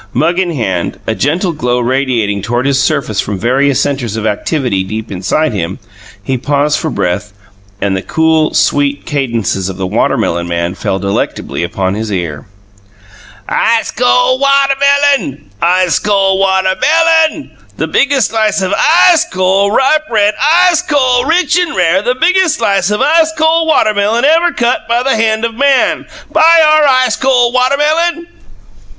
Mug in hand, a gentle glow radiating toward his surface from various centres of activity deep inside him, he paused for breath and the cool, sweet cadences of the watermelon man fell delectably upon his ear: "Ice cole WATER melon; ice cole water MELON; the biggest slice of ICE cole, ripe, red, ICE cole, rich an' rare; the biggest slice of ice cole watermelon ever cut by the hand of man! BUY our ICE cole water melon?"